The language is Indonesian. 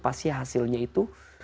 pasti hasilnya itu